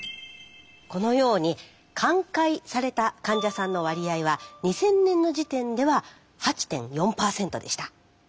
このように寛解された患者さんの割合は２０００年の時点では８．４％でした。